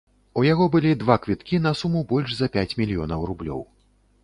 У яго былі два квіткі на суму больш за пяць мільёнаў рублёў.